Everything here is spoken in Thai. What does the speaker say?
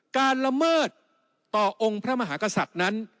ละเมิดต่อองค์พระมหากษัตริย์นั้น